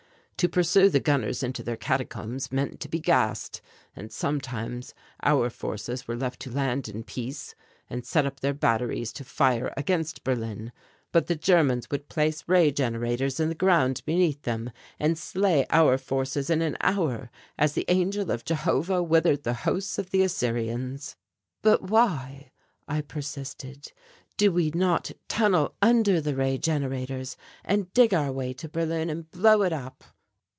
To pursue the gunners into their catacombs meant to be gassed; and sometimes our forces were left to land in peace and set up their batteries to fire against Berlin, but the Germans would place Ray generators in the ground beneath them and slay our forces in an hour, as the Angel of Jehovah withered the hosts of the Assyrians." "But why," I persisted, "do we not tunnel under the Ray generators and dig our way to Berlin and blow it up?"